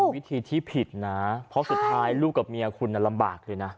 วิธีที่ผิดนะเพราะสุดท้ายลูกกับเมียคุณลำบากเลยนะ